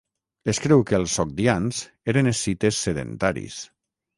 Es creu que els sogdians eren escites sedentaris.